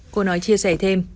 cô nói chia sẻ thêm